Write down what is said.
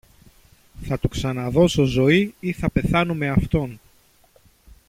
θα του ξαναδώσω ζωή ή θα πεθάνω με αυτόν.